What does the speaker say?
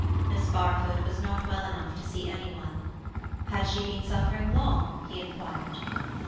Miss Barfoot was not well enough to see any one. Had she been suffering long? he inquired.